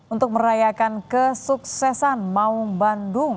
untuk merayakan kesuksesan maung bandung